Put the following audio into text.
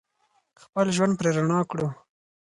خپل ژوند پرې رڼا کړو.